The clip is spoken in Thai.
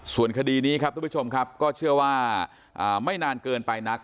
ส่วนคดีนี้ครับทุกผู้ชมครับก็เชื่อว่าไม่นานเกินไปนัก